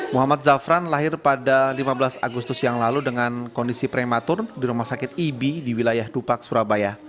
muhammad zafran lahir pada lima belas agustus yang lalu dengan kondisi prematur di rumah sakit ibi di wilayah dupak surabaya